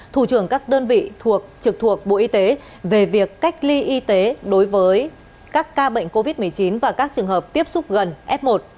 thủ trưởng các đơn vị thuộc trực thuộc bộ y tế về việc cách ly y tế đối với các ca bệnh covid một mươi chín và các trường hợp tiếp xúc gần f một